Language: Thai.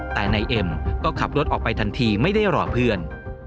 แต่นายเอ็มก็ขับรถออกไปทันทีไม่ได้รอเพื่อน